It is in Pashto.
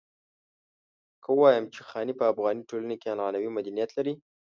که ووايم چې خاني په افغاني ټولنه کې عنعنوي مدنيت لري.